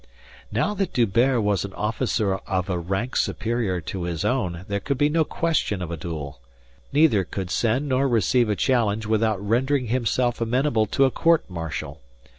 Now that D'Hubert was an officer of a rank superior to his own, there could be no question of a duel. Neither could send nor receive a challenge without rendering himself amenable to a court martial.